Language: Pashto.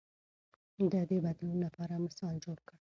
ده د بدلون لپاره مثال جوړ کړ.